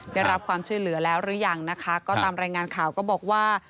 ได้รับความช่วยเหลือแล้วหรือยังนะคะก็ตามรายงานข่าวก็บอกว่า